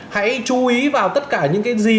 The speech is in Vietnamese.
hãy chú ý vào tất cả những cái gì